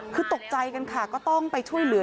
คือตกใจกันค่ะก็ต้องไปช่วยเหลือ